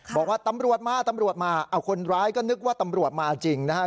บอกว่าตำรวจมาตำรวจมาเอาคนร้ายก็นึกว่าตำรวจมาจริงนะครับ